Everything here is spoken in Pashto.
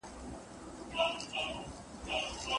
ما پر اوو دنياوو وسپارئ، خبر نه وم خو